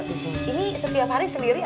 ini setiap hari sendiri